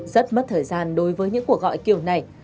rất mất thời gian đối với những cuộc gọi kiểu này